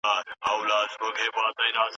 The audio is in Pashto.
چارې ثمر ته رسیږي.